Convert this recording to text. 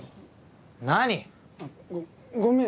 何？ごごめん。